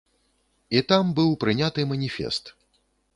І там быў прыняты маніфест.